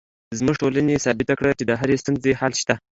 زموږ ټولنې ثابته کړې چې د هرې ستونزې حل شته